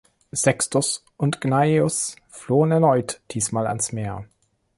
Sextus und Gnaeus flohen erneut, diesmal ans Meer.